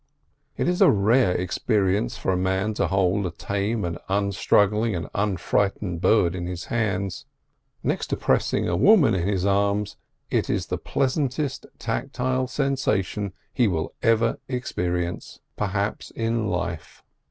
It is a rare experience for a man to hold a tame and unstruggling and unfrightened bird in his hands; next to pressing a woman in his arms, it is the pleasantest tactile sensation he will ever experience, perhaps, in life.